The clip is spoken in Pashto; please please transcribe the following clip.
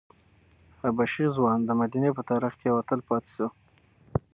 حبشي ځوان د مدینې په تاریخ کې یو اتل پاتې شو.